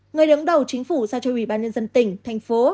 người đứng đầu chính phủ ra cho ubnd tỉnh thành phố